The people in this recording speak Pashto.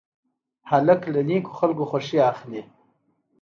هلک له نیکو خلکو خوښي اخلي.